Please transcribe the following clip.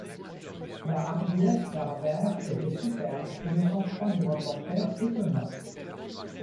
La hardiesse d’Harbert était superbe, et le sang-froid du reporter étonnant.